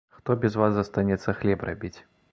Хто без вас застанецца хлеб рабіць?